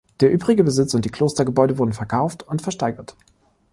Der übrige Besitz und die Klostergebäude wurden verkauft und versteigert.